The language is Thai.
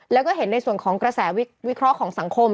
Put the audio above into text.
แล้วก็เห็นในส่วนของกระแสวิเคราะห์ของสังคม